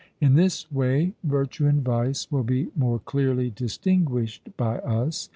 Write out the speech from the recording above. In this way virtue and vice will be more clearly distinguished by us.